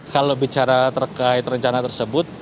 kalau bicara terkait rencana tersebut